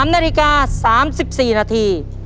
๓นาฬิกา๓๔นาที